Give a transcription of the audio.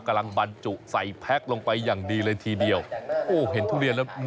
บรรจุใส่แพ็คลงไปอย่างดีเลยทีเดียวโอ้เห็นทุเรียนแล้ว